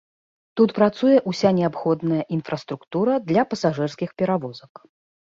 Тут працуе ўся неабходная інфраструктура для пасажырскіх перавозак.